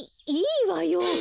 いいいわよ。